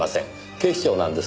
警視庁なんですよ。